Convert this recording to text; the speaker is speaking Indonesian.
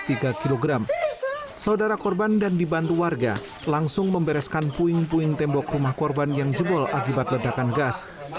tiga kg saudara korban dan dibantu warga langsung membereskan puing puing tembok rumah korban yang jebol akibat ledakan gas